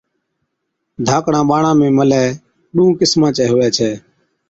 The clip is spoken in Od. ڌاڪڙان ٻاڙان ۾ ملَي ڏُونهن قِسمان چَي هُوَي ڇَي،